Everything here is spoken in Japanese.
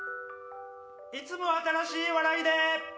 いつも新しい笑いで。